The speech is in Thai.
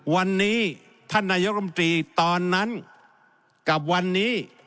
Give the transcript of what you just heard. วันนี้ท่านนายกรรมตรีตอนนั้นกับวันนี้